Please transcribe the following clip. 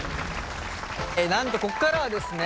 なんとここからはですね